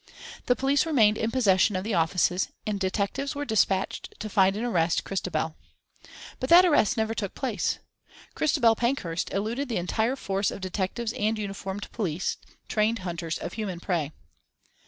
The police remained in possession of the offices, and detectives were despatched to find and arrest Christabel. But that arrest never took place. Christabel Pankhurst eluded the entire force of detectives and uniformed police, trained hunters of human prey.